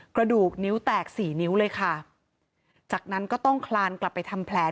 กระดูกนิ้วแตกสี่นิ้วเลยค่ะจากนั้นก็ต้องคลานกลับไปทำแผล